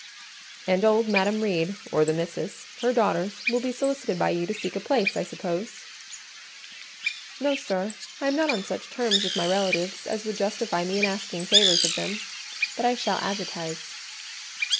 "And old Madam Reed, or the Misses, her daughters, will be solicited by you to seek a place, I suppose?" "No, sir; I am not on such terms with my relatives as would justify me in asking favours of them—but I shall advertise."